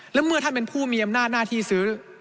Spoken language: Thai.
แล้วเมื่อท่านเป็นผู้มีอำนาจหน้าที่ซื้อ